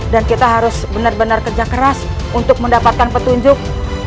dan kita harus benar benar kerja keras untuk mendapatkan petunjuk